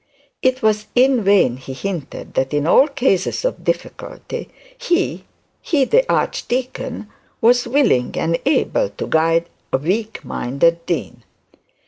It was in vain he hinted that in all cases of difficulty he, the archdeacon, was willing and able to guide a weak minded dean.